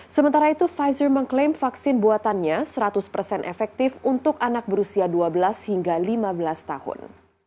sementara itu pfizer mengklaim vaksin buatannya seratus persen efektif untuk anak berusia dua belas hingga lima belas tahun